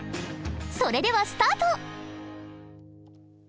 それではスタート！